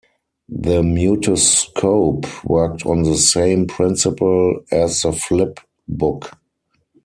The Mutoscope worked on the same principle as the flip book.